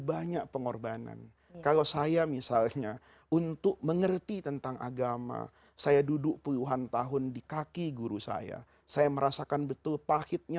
berartiidil dalam kemungkinan